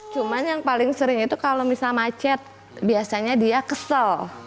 cuman yang paling sering itu kalau misalnya macet biasanya dia kesel